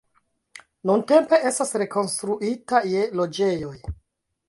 Nuntempe estas rekonstruita je loĝejoj.